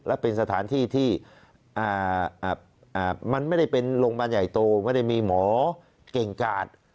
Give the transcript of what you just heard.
และเป็นสถานที่ที่มันไม่ได้เป็นโรงพยาบาลใหญ่โตไม่ได้มีหมอเก่งกาด